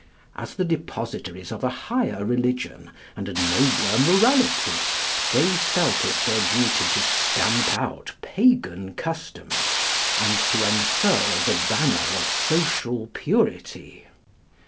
As the depositaries of a higher religion and a nobler morality, they felt it their duty to stamp out pagan customs, and to unfurl the banner of social purity.